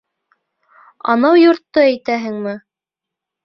— Анау йортто әйтәһеңме?